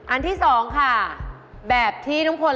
อันที่๒ค่ะแบบที่ทุกคนลืม